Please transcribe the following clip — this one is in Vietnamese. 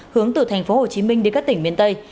hướng từ tp hcm đến các tỉnh miền tây